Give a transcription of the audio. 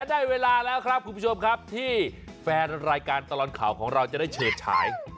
ได้เวลาแล้วครับคุณผู้ชมครับที่แฟนรายการตลอดข่าวของเราจะได้เฉิดฉาย